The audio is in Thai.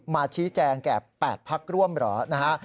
มาชี้แจงแก่๘พักร่วมเหรอนะฮะ